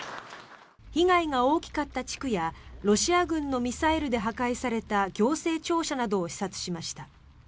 被害が大きかった地区やロシア軍のミサイルで破壊された行政庁舎などを視察しました。